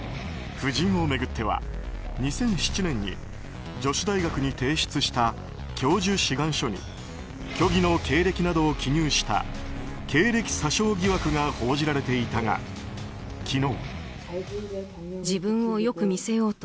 夫人を巡っては２００７年に女子大学に提出した教授志願書に虚偽の経歴などを記入した経歴詐称疑惑が報じられていたが昨日。